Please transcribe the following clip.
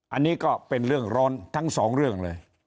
อันนี้ก็เป็นเรื่องร้อนทั้งสองเรื่องเลย